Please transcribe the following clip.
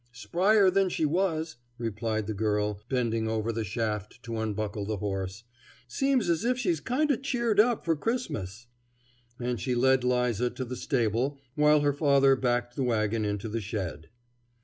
"Sprier than she was," replied the girl, bending over the shaft to unbuckle the horse; "seems as if she'd kinder cheered up for Christmas." And she led 'Liza to the stable while her father backed the wagon into the shed.